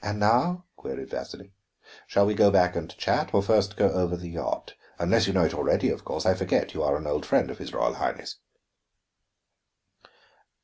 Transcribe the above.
"And now?" queried Vasili. "Shall we go back and chat, or first go over the yacht? Unless you know it already, of course; I forget you are an old friend of his Royal Highness."